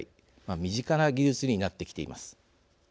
身近な技術になってきています。